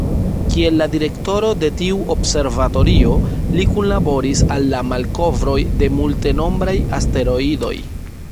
Kiel la direktoro de tiu observatorio, li kunlaboris al la malkovroj de multenombraj asteroidoj.